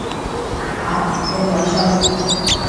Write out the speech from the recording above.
下，咁有趣